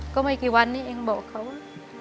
ก็ไม่กี่วันนี้เองบอกเขา